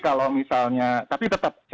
kalau misalnya tapi tetap